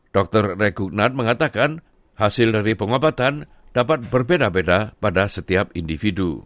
dr regunad mengatakan hasil dari pengobatan dapat berbeda beda pada setiap individu